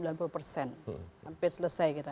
hampir selesai kita